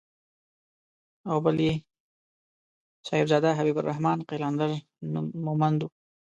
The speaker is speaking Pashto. او بل يې صاحبزاده حبيب الرحمن قلندر مومند و.